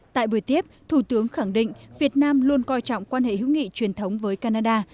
tại buổi tiếp thủ tướng khẳng định việt nam luôn coi trọng quan hệ hữu nghị truyền thống với canada